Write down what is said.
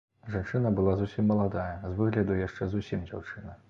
Жанчына была зусім маладая, з выгляду яшчэ зусім дзяўчына.